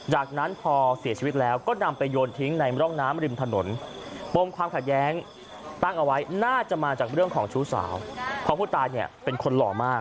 จากนั้นพอเสียชีวิตแล้วก็นำไปโยนทิ้งในร่องน้ำริมถนน